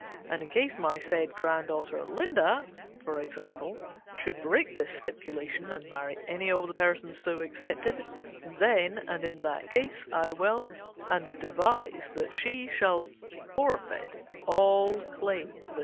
And in case my said grand daughter Linda," for example, " should break this stipulation, and marry any of the persons so excepted, then and in that case I will and devise that she shall forfeit all claim to the 320 GENERAL PASSAVANT'S WILL.